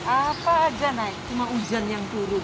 apa aja naik cuma hujan yang turun